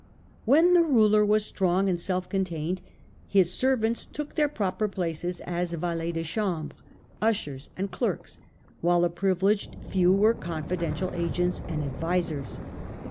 When the ruler was strong and self contained, his servants took their proper places as valets~de<hambre^ ushers, and clerks, while a privileged few were confiden tial agents and advisers.